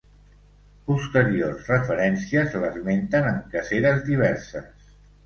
Posteriors referències l'esmenten en caceres diverses.